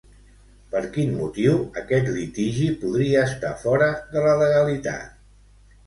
Per quin motiu aquest litigi podria estar fora de la legalitat?